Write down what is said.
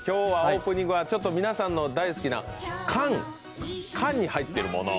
オープニングは皆さんの大好きな缶に入っているもの。